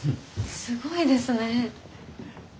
すごいですね。